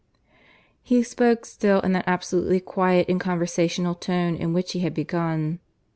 He spoke still in that absolutely quiet and conversational tone in which he had begun.